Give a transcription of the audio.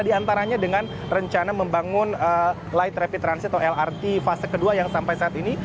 diantaranya dengan rencana membangun light rapid transit atau lrt fase kedua yang sampai saat ini